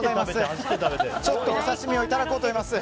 ちょっとお刺し身をいただこうと思います。